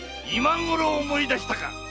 今ごろ思い出したか！